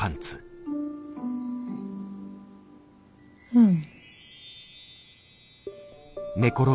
うん。